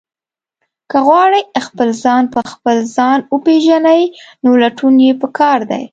که غواړئ خپل ځان په خپل ځان وپېژنئ، نو لټون یې پکار دی.